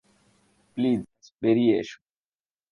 Please বেরিয়ে এসো।